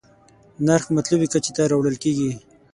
نرخ مطلوبې کچې ته راوړل کېږي.